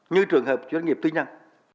như trường hợp doanh nghiệp tư nhân